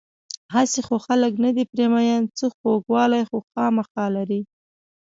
هسې خو خلک نه دي پرې مین، څه خوږوالی خو خوامخا لري.